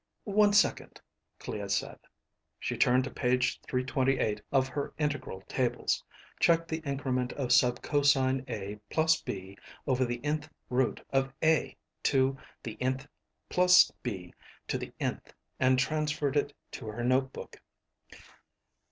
"One second," Clea said. She turned to page 328 of her integral tables, checked the increment of sub cosine A plus B over the _n_th root of A to the _n_th plus B to the _n_th, and transferred it to her notebook.